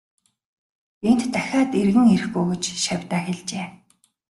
Энд дахиад эргэн ирэхгүй гэж шавьдаа хэлжээ.